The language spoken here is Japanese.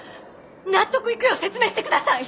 納得いくよう説明してください！